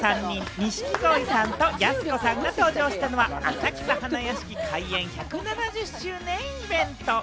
錦鯉さんとやす子さんが登場したのは、浅草・花やしき開園１７０周年イベント。